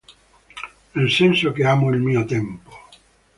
Nel senso che amo il mio tempo.